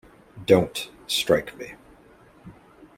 Don’t strike me.